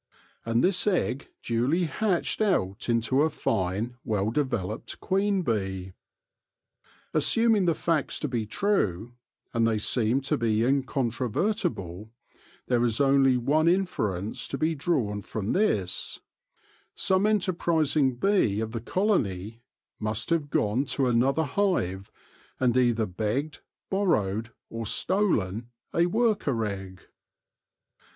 And this egg duly hatched out into a fine, well developed queen bee. Assuming the facts to be true, and they seem to be incontrovertible, there is only one inference to be drawn from this : some enterprising bee of the colony must have gone to another hive and either begged, borrowed, or stolen a worker egg.